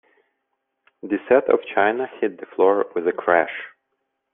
The set of china hit the floor with a crash.